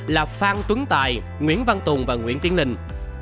là phan tuấn tài nguyễn văn tùng và nguyễn tiến ninh